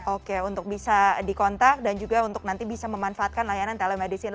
oke untuk bisa dikontak dan juga untuk nanti bisa memanfaatkan layanan telemedicine